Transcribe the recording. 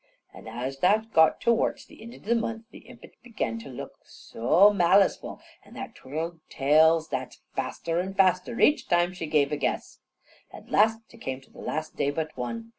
An' as that got to warts the ind o' the month, the impet that began for to look soo maliceful, an' that twirled that's tail faster an' faster each time she gave a guess. At last te came to the last day but one.